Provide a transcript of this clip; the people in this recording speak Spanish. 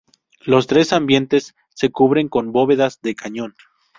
Los tres ambientes se cubren con bóvedas de cañón.